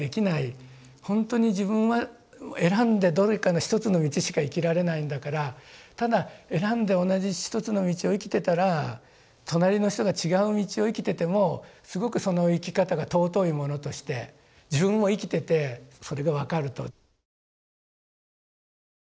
ほんとに自分は選んでどれかの一つの道しか生きられないんだからただ選んで同じ一つの道を生きてたら隣の人が違う道を生きててもすごくその生き方が尊いものとして自分も生きててそれが分かると。